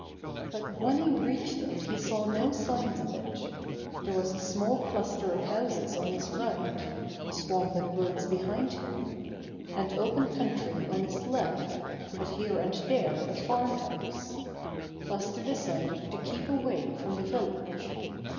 But when he reached it he saw no signs of it. There was a small cluster of houses on his right, a swamp and woods behind him, and open country on his left, with here and there a farm house. Buster decided to keep away from the village.